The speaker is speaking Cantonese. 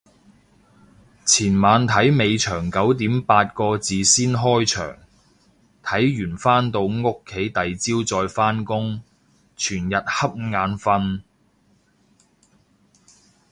前晚睇尾場九點八個字先開場，睇完返到屋企第朝再返工，全日恰眼瞓